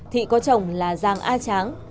thị có chồng là giang a tráng